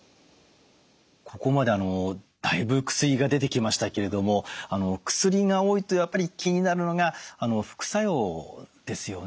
ここまでだいぶ薬が出てきましたけれども薬が多いとやっぱり気になるのが副作用ですよね。